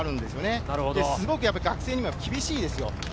すごく学生に厳しいですよ。